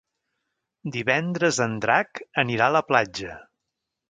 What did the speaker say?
Divendres en Drac anirà a la platja.